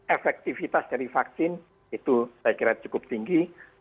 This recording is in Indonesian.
efektivitas dari vaksin itu saya kira cukup tinggi